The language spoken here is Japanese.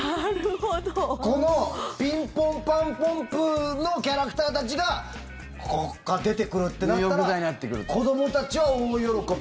「ピンポンパンポンプー」のキャラクターたちがここから出てくるってなったら子どもたちは大喜び。